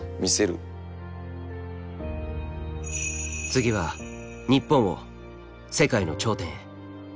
次は日本を世界の頂点へ。